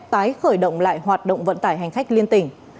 tái khởi động lại hoạt động vận tải hành khách liên tỉnh